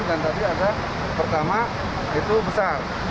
dan tadi ada pertama itu besar